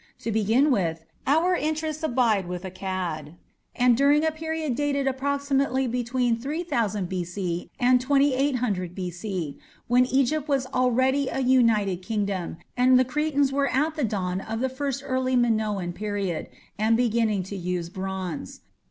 To begin with, our interests abide with Akkad, and during a period dated approximately between 3000 B.C. and 2800 B.C., when Egypt was already a united kingdom, and the Cretans were at the dawn of the first early Minoan period, and beginning to use bronze.